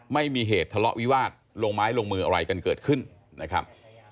ไม่มีเหตุทะเลาะวิวาสลงไม้ลงมืออะไรกันเกิดขึ้นนะครับ